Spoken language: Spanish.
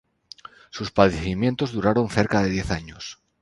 Sus padecimientos duraron cerca de diez años.